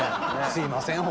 すいません